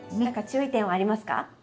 なんか注意点はありますか？